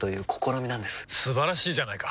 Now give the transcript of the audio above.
素晴らしいじゃないか！